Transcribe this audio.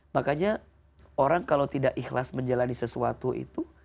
makanya orang kalau tidak ikhlas menjalani sesuatu itu